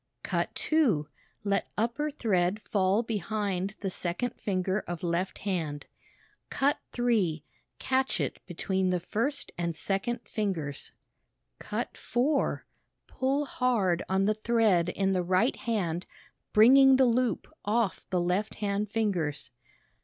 Cut 2 Let upper thread fall behind the second finger of left hand. Cut 3 Catch it between the first and second fingers. Cut 4 Pull hard on the thread in the right hand bringing the loop off the left hand fingers.